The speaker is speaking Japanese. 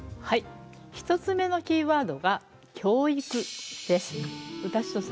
はい１つ目のキーワードが「教育」です。